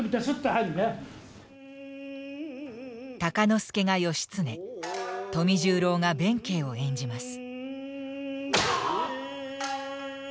鷹之資が義経富十郎が弁慶を演じます。